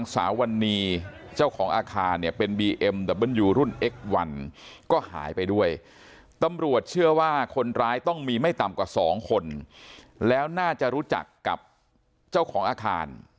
ตำรวจเชื่อว่าคนร้ายต้องมีไม่ต่ำกว่าสองคนแล้วน่าจะรู้จักกับเจ้าของอาคาร